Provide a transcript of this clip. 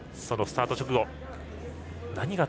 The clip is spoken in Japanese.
そのスタート直後。